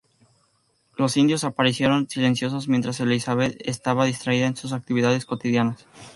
Los indios aparecieron silenciosos mientras Elizabeth estaba distraída en sus actividades cotidianas.